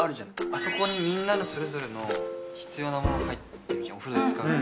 あそこにみんなのそれぞれの必要なもの入ってるじゃんお風呂で使うもの